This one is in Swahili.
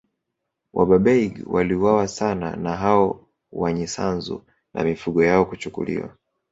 Wabarbaig waliuawa sana na hao Wanyisanzu na mifugo yao kuchukuliwa